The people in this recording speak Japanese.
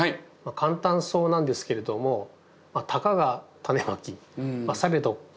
簡単そうなんですけれどもたかがタネまきされどタネまきと。